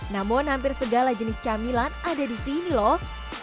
namun hampir segala jenis camilan ada disini loh